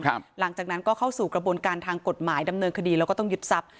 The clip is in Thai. หลังจากนั้นก็เข้าสู่กระบวนการทางกฎหมายดำเนินคดีแล้วก็ต้องยึดทรัพย